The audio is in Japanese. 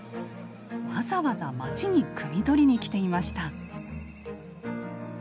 わざわざ町にくみ取りに来ていました。